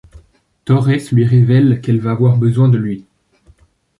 Torres lui révèle qu’elle va avoir besoin de lui.